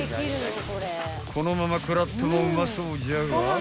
［このまま食らってもうまそうじゃが］